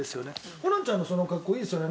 ホランちゃんのその格好いいですよね。